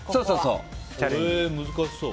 難しそう。